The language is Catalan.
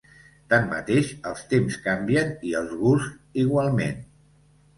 Tanmateix, els temps canvien i els gusts igualment.